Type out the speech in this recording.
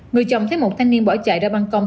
người chồng thấy một thanh niên bỏ chạy ra bàn công